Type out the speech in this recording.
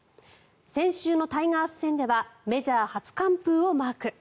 先週のタイガース戦ではメジャー初完封をマーク。